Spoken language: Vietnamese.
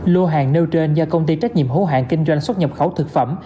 lô hàng nêu trên do công ty trách nhiệm hố hạng kinh doanh xuất nhập khẩu thực phẩm